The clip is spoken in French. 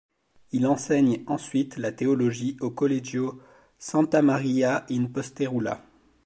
Il enseigne ensuite la théologie au Collegio Santa Maria in Posterula.